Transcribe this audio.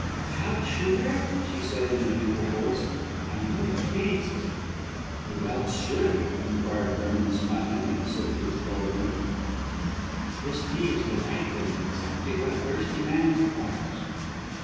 "Without sugar," she said in a gentle voice; "I know your tastes." "Who else should?" inquired Vernon smiling, and sipped his Bohea. "This tea is delightful and exactly what a thirsty man requires."